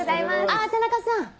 あ田中さん